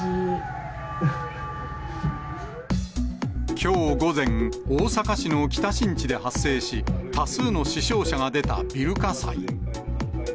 きょう午前、大阪市の北新地で発生し、多数の死傷者が出たビル火災。